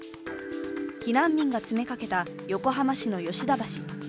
避難民が詰めかけた横浜市の吉田橋。